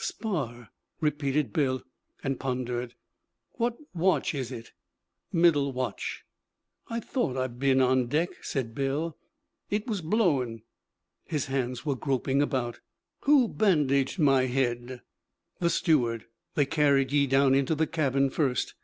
'Spar!' repeated Bill, and pondered. 'What watch is it?' 'Middle watch.' 'I thought I been on deck,' said Bill. 'It was blowin'.' His hands were groping about. 'Who bandaged my head?' 'The steward. They carried ye down into the cabin, first.